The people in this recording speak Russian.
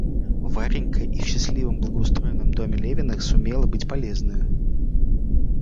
Варенька и в счастливом благоустроенном доме Левиных сумела быть полезною.